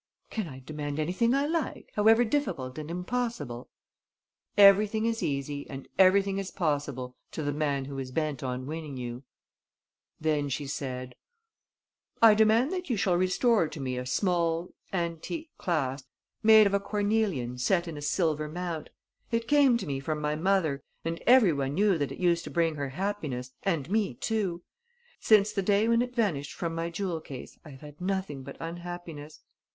"Can I demand anything I like, however difficult and impossible?" "Everything is easy and everything is possible to the man who is bent on winning you." Then she said: "I demand that you shall restore to me a small, antique clasp, made of a cornelian set in a silver mount. It came to me from my mother and everyone knew that it used to bring her happiness and me too. Since the day when it vanished from my jewel case, I have had nothing but unhappiness.